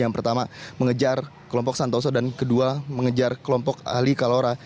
yang pertama mengejar kelompok santoso dan kedua mengejar kelompok ali kalora